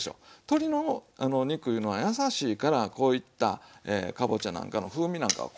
鶏の肉いうのは優しいからこういったかぼちゃなんかの風味なんかを壊さないと。